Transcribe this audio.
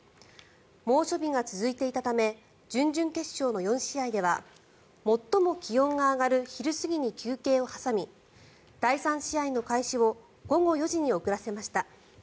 猛暑日が続いていたため準々決勝の４試合では最も気温が上がる昼過ぎに休憩を挟み第３試合の開始を午後４時に遅らせました。